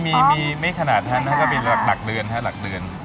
อ๋อมีมีไม่ขนาดนะครับมันก็เป็นหลักเดือนครับหลักเดือน